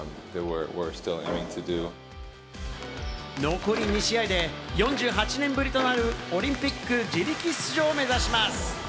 残り２試合で４８年ぶりとなるオリンピック自力出場を目指します。